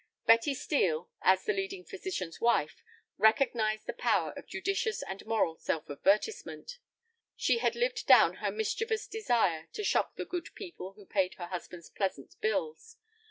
Betty Steel, as the leading physician's wife, recognized the power of judicious and moral self advertisement. She had lived down her mischievous desire to shock the good people who paid her husband's pleasant bills.